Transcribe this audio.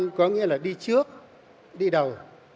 gương mẫu có nghĩa là đi trước đi đầu